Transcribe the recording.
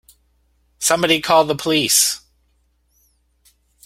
Somebody call the police!